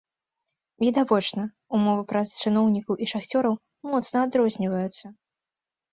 Відавочна, умовы працы чыноўнікаў і шахцёраў моцна адрозніваюцца.